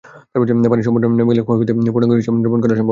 পানি সম্পূর্ণ নেমে গেলে ক্ষয়ক্ষতির পূর্ণাঙ্গ হিসাব নিরূপণ করা সম্ভব হবে।